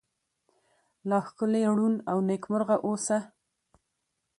لا ښکلې، ړون، او نکيمرغه اوسه👏